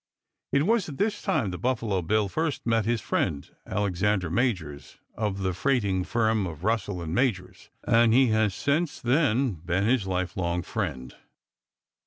It was at this time that Buffalo Bill first met his friend Alexander Majors of the freighting firm of Russell & Majors, and he has since then been his lifelong friend.